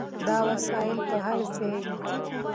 دا وسایل به هر ځای وي.